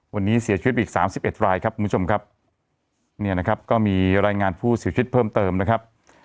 วันนี้เสียชีวิตไปอีกสามสิบเอ็ดรายครับคุณผู้ชมครับเนี่ยนะครับก็มีรายงานผู้เสียชีวิตเพิ่มเติมนะครับ